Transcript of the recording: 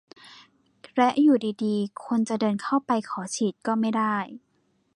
และอยู่ดีดีคนจะเดินเข้าไปขอฉีดก็ไม่ได้